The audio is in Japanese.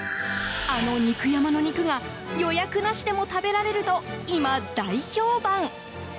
あの肉山の肉が予約なしでも食べられると今、大評判。